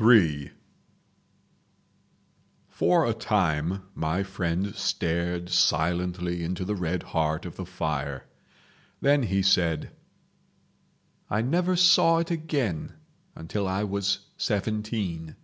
III For a time my friend stared silently into the red heart of the fire. Then he said: "I never saw it again until I was seventeen.